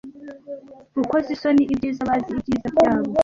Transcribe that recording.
gukoza isoni ibyiza bazi ibyiza byabo